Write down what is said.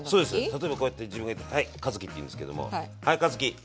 例えばこうやって自分がいてはい和樹っていうんですけども「はい和樹料理して」。